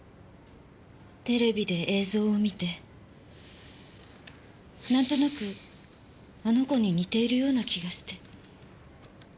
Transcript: テレビで映像を観てなんとなくあの子に似ているような気がして。